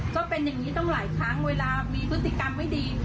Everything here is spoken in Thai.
ก็เป็นอย่างนี้ตั้งหลายครั้งเวลามีพฤติกรรมไม่ดี